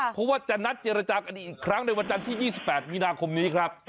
เพราะว่าจะนัดเจรจากันอีกครั้งในวันจันทร์ที่๒๘มีนาคมนี้ครับ